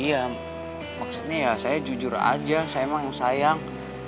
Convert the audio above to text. iya maksudnya ya saya jujur aja saya emang sayang